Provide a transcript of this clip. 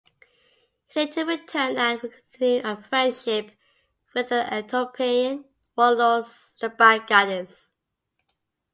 He later returned and continued a friendship with the Ethiopian warlord Sabagadis.